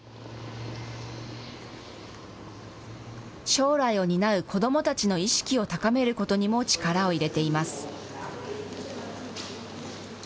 将来を担う子どもたちの意識を高めることにも力を入れています。